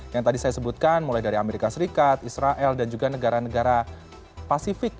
yang tadi saya sebutkan mulai dari amerika serikat israel dan juga negara negara pasifik